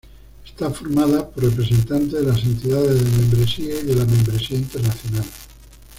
Está formada por representantes de las entidades de membresía y de la membresía internacional.